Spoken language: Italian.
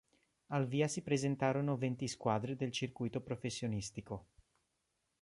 Al via si presentarono venti squadre del circuito professionistico.